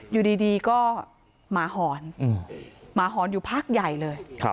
อยู่ดีก็หมาหอนหมาหอนอยู่พักใหญ่เลย